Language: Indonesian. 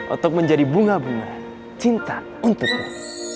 untuk menjadi bunga bunga cinta untukmu